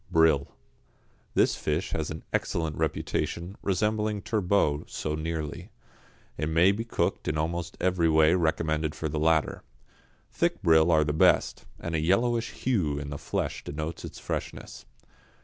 =Brill.= This fish has an excellent reputation, resembling turbot so nearly; it may be cooked in almost every way recommended for the latter. Thick brill are the best, and a yellowish hue in the flesh denotes its freshness.